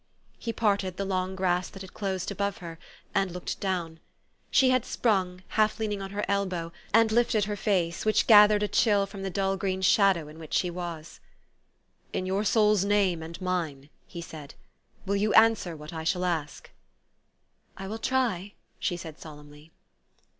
He parted the long grass that had closed above her, and looked down. She had sprung, half lean 132 THE STORY OF AVIS. ing on her elbow, and lifted her face, which gathered a chill from the dull green shadow in which she was. " In your soul's name and mine," he said, " will you answer what I shall ask? "" I will try," she said solemnly.